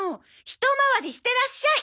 一回りしてらっしゃい！